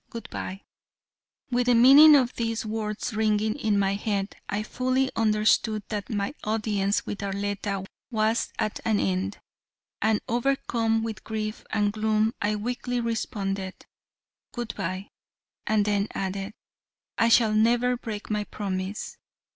Good bye." With the meaning of these words ringing in my head, I fully understood that my audience with Arletta was at an end, and overcome with grief and gloom I weakly responded, "good bye," and then added, "I shall never break my promise."